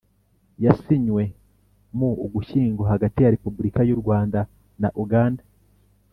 Yasinywe mu Ugushyingo hagati ya Repubulika y’u Rwanda na Uganda